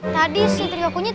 tadi sih trio kunyit